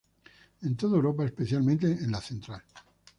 En toda Europa, especialmente en la central.